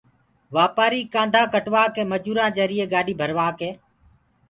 واپآري ڪآندآ ڪٽوآڪي مجورآن جريئي گاڏي ڀروآڪي